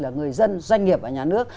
là người dân doanh nghiệp và nhà nước